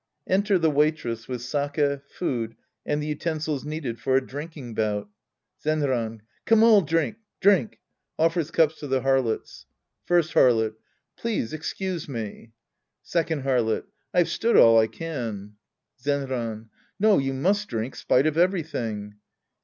{Enter the Waitress with sake, food, and the utensils needed for a drinking bout.) Zenran. Come, all drink, drink. {Offers cups to the Harlots^ First Harlot. Please excuse me. Second Harlot. I've stood all I can. Zenran. No, you must drink, spite of everything.